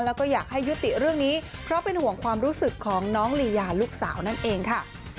แล้วก็อยากให้ยุติเรื่องนี้เพราะเป็นห่วงความรู้สึกของน้องลียาลูกสาวนั่นเองค่ะ